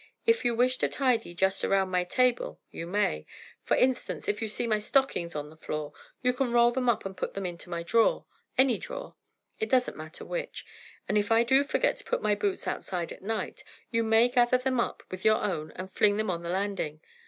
If you wish to tidy just round my table, you may. For instance, if you see my stockings on the floor, you can roll them up and pop them into my drawer, any drawer, it doesn't matter which; and, if I do forget to put my boots outside at night, you may gather them up with your own and fling them on the landing.